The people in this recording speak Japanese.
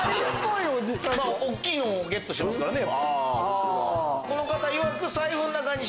大っきいのをゲットしてますからね。